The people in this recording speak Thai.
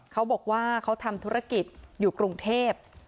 เขาบอกว่าเขาทำธุรกิจอยู่กรุงเทพ